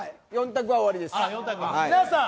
皆さん